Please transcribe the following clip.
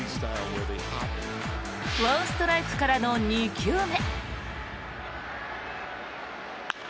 １ストライクからの２球目。